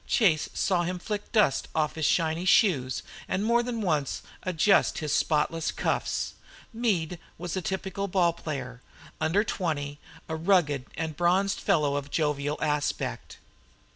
Chase saw him flick dust off his shiny shoes, and more than once adjust his spotless cuffs. Meade was a typical ball player, under twenty, a rugged and bronzed fellow of jovial aspect.